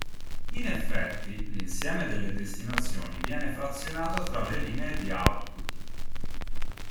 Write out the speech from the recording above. In effetti, l'insieme delle destinazioni viene frazionato tra le linee di output.